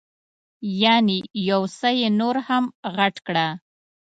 یعنې یو څه یې نور هم غټ کړه.